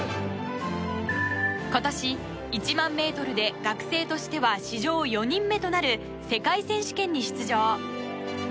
今年、１００００ｍで学生としては史上４人目となる世界選手権に出場。